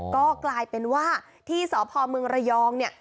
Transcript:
ก็กลายเป็นว่าที่สพเมืองระยองเนี่ย